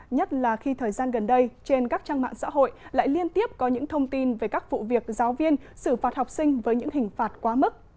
nhất là khi thời gian gần đây trên các trang mạng xã hội lại liên tiếp có những thông tin về các vụ việc giáo viên xử phạt học sinh với những hình phạt quá mức